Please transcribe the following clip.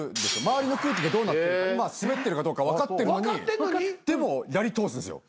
周りの空気がどうなってるか今スベってるか分かってるのにでもやり通すんすよ。